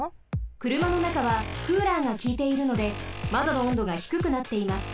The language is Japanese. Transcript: くるまのなかはクーラーがきいているのでまどの温度がひくくなっています。